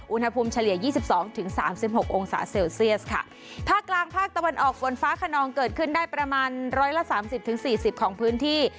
เฉลี่ยยี่สิบสองถึงสามสิบหกองศาเซลเซียสค่ะภาคกลางภาคตะวันออกฝนฟ้าขนองเกิดขึ้นได้ประมาณร้อยละสามสิบถึงสี่สิบของพื้นที่